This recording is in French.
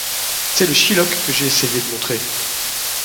C'est le Shylock que j'ai essayé de montrer.